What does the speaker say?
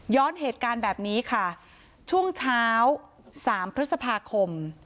เหตุการณ์แบบนี้ค่ะช่วงเช้า๓พฤษภาคม